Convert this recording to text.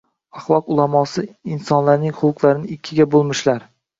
Axloq ulamosi insonlarning xulqlarini ikkiga bo’lmishlar